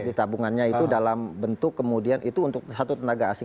di tabungannya itu dalam bentuk kemudian itu untuk satu tenaga asing